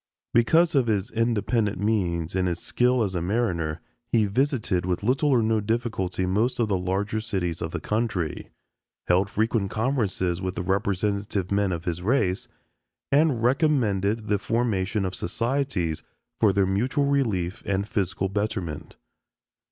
Because of his independent means and his skill as a mariner, he visited with little or no difficulty most of the larger cities of the country, held frequent conferences with the representative men of his race, and recommended the formation of societies for their mutual relief and physical betterment.